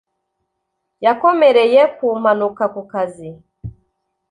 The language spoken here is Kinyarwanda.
Yakomerekeye mu mpanuka ku kazi.